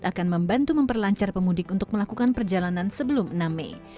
akan membantu memperlancar pemudik untuk melakukan perjalanan sebelum enam mei